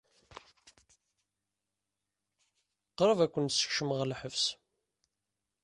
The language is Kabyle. Qrib ad ken-nessekcem ɣer lḥebs.